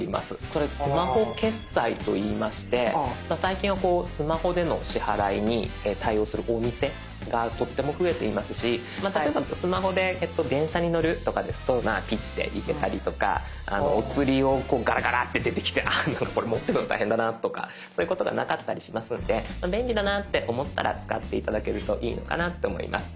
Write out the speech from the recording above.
これスマホ決済と言いまして最近はスマホでの支払いに対応するお店がとっても増えていますし例えばスマホで電車に乗るとかですとピッて行けたりとかお釣りをこうガラガラって出てきてこれ持ってるの大変だなとかそういうことがなかったりしますんで便利だなって思ったら使って頂けるといいのかなと思います。